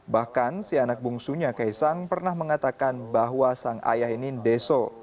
bahkan si anak bungsunya kei sang pernah mengatakan bahwa sang ayah ini deso